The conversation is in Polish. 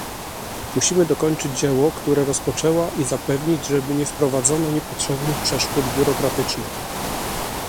Musimy dokończyć dzieło, które rozpoczęła i zapewnić, żeby nie wprowadzono niepotrzebnych przeszkód biurokratycznych